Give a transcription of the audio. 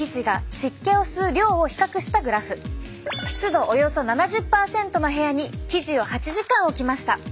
湿度およそ７０％の部屋に生地を８時間置きました。